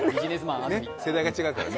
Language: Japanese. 世代が違うからね。